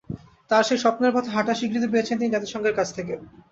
তাঁর সেই স্বপ্নের পথে হাঁটার স্বীকৃতি পেয়েছেন তিনি জাতিসংঘের কাছ থেকে।